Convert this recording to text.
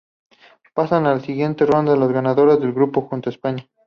Pasan a la siguiente ronda las ganadoras de grupo, junto a España.